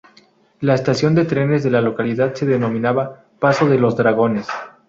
La estación de trenes de la localidad se denominaba "Paso de los Dragones".